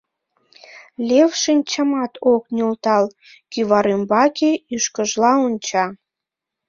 Лев шинчамат ок нӧлтал, кӱвар ӱмбаке ӱшкыжла онча.